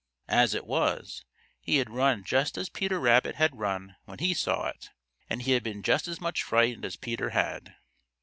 As it was, he had run just as Peter Rabbit had run when he saw it, and he had been just as much frightened as Peter had.